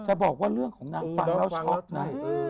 จะบอกว่าเรื่องของน้ำฟังเราช็อคนะ